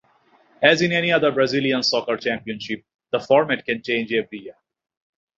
As in any other Brazilian soccer championship, the format can change every year.